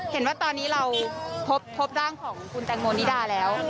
เห็นว่าตอนนี้เราพบร่างของคุณแตงโมนิดาแล้ว